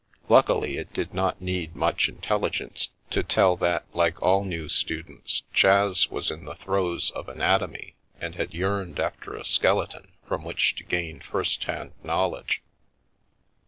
Luck ily it did not need much intelligence to tell that, like all A Skeleton Out of the Cupboard new students, Chas was in the throes of anatomy and had yearned after a skeleton from which to gain first hand knowledge.